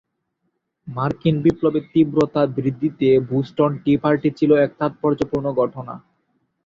মার্কিন বিপ্লবের তীব্রতা বৃদ্ধিতে বোস্টন টি পার্টি ছিল এক তাৎপর্যপূর্ণ ঘটনা।